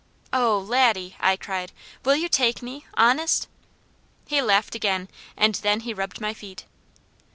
"Oh Laddie!" I cried. "Will you take me? Honest!" He laughed again and then he rubbed my feet.